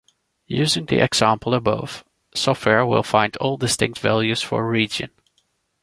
Using the example above, software will find all distinct values for "Region".